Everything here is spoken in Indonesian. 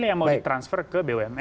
yang mau di transfer ke bumn